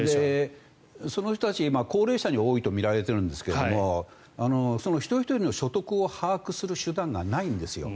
その人たち、高齢者に多いとみられているんですがその一人ひとりの所得を把握する手段がないんですよ。